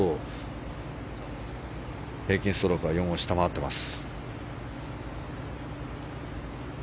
平均ストロークは４を下回ってます。